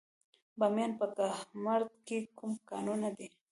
د بامیان په کهمرد کې کوم کانونه دي؟